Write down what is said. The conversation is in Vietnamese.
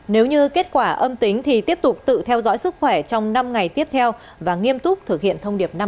nếu như kết quả âm tính thì tiếp tục tự theo dõi sức khỏe trong năm ngày tiếp theo và nghiêm túc thực hiện thông điệp năm